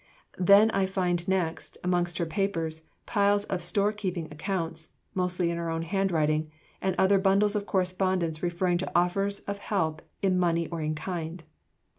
Then I find next, amongst her papers, piles of store keeping accounts (mostly in her own handwriting), and other bundles of correspondence referring to offers of help in money or in kind.